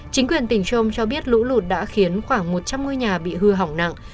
chính quyền tỉnh chom cho biết lũ lụt đã khiến khoảng một trăm linh ngôi nhà bị hư hỏng nặng